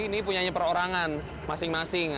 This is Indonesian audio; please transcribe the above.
ini punya perorangan masing masing